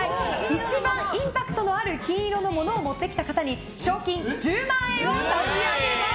一番インパクトのある金色のものを持ってきた方に賞金１０万円を差し上げます。